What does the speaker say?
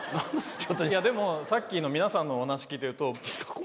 いやでもさっきの皆さんのお話聞いてると。